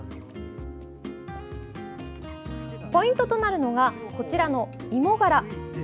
ポイントとなるのがこちらの芋がら。